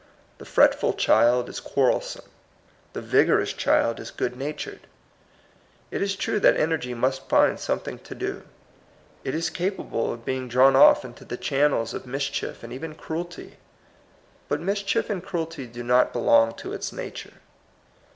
The fretful child is quarrelsome. The vigorous child is good natured. It is true that energy must find something to do. It is capable of being drawn off into the channels of mis chief and even cruelty. But mischief and cruelty do not belong to its nature.